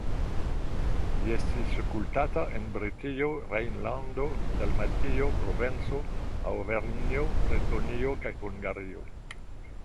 Li estis kultata en Britio, Rejnlando, Dalmatio, Provenco, Aŭvernjo, Bretonio kaj Hungario.